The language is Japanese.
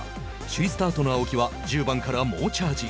首位スタートの青木は１０番から猛チャージ。